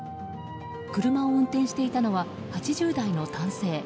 車を運転していたのは８０代の男性。